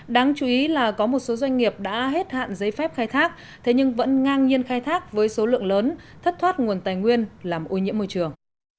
đáng chú ý là có một số doanh nghiệp đã hết hạn giấy phép khai thác thế nhưng vẫn ngang nhiên khai thác với số lượng lớn thất thoát nguồn tài nguyên làm ô nhiễm môi trường